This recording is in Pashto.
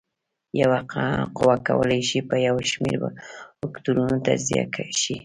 یوه قوه کولی شي په یو شمېر وکتورونو تجزیه شي.